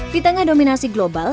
di tengah dominasi global